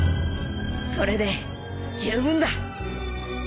それで十分だ